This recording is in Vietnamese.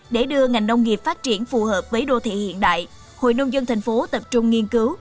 để đưa ngành nông nghiệp phát triển phù hợp với đô thị hiện đại hội nông dân thành phố tập trung nghiên cứu